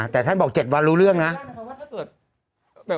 แต่ท่านบอก๗วันรู้เรื่องนะ